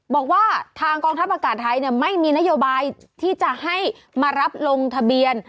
บอกว่าทางกองทัพอากาศไทยไม่มีนโยบายที่จะให้มารับลงทะเบียน